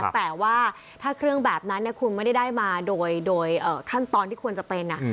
แต่ว่าถ้าเครื่องแบบนั้นเนี่ยคุณไม่ได้ได้มาโดยโดยเอ่อขั้นตอนที่ควรจะเป็นอ่ะ